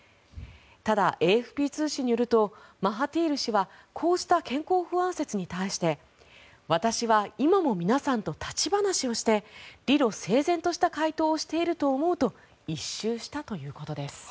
ただ、ＡＦＰ通信によるとマハティール氏はこうした健康不安説に対して私は今も皆さんと立ち話をして理路整然とした回答をしていると思うと一蹴したということです。